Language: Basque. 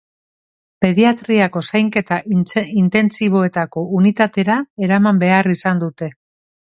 Pediatriako zainketa intentsiboetako unitatera eraman behar izan dute.